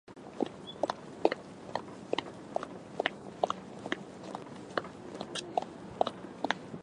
愛してるの響きだけで強くなれる気がしたよ